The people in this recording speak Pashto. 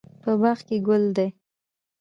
په باغ کې ګل ده